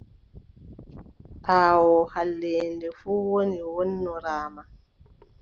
Aawoo halleende fuu woni wonnoraamaa.